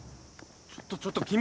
ちょっとちょっと君！